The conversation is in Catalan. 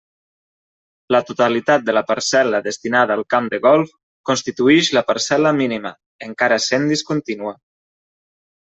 La totalitat de la parcel·la destinada al camp de golf constituïx la parcel·la mínima, encara sent discontínua.